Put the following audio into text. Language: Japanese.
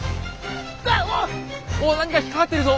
お何か引っ掛かってるぞ。